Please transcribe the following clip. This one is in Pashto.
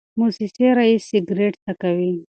موسسې رییس سګرټ څکوي.